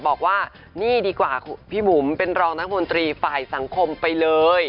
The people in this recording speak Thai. บอกว่านี่ดีกว่าพี่บุ๋มเป็นรองนักมนตรีฝ่ายสังคมไปเลย